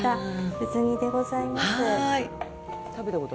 うず煮でございます。